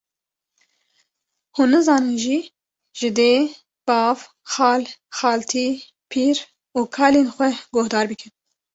hûn nizanin jî ji dê, bav, xal, xaltî, pîr û kalên xwe guhdar bikin